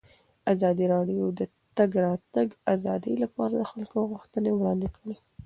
ازادي راډیو د د تګ راتګ ازادي لپاره د خلکو غوښتنې وړاندې کړي.